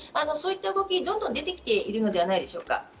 そういう動きがどんどん出てきているのではないでしょうか。